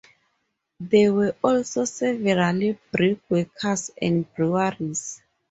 There were also several brickworks and breweries.